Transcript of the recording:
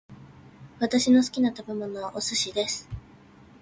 私の好きな食べ物はお寿司です